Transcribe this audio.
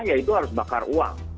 ya itu harus bakar uang